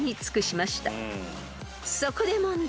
［そこで問題］